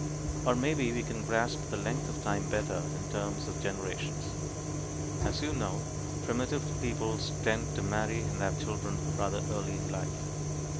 Or maybe we can grasp the length of time better in terms of generations. As you know, primitive peoples tend to marry and have children rather early in life.